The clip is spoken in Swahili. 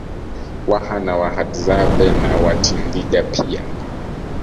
Waha na Wahadzabe na Watindiga pia